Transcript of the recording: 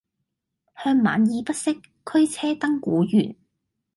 向晚意不適，驅車登古原。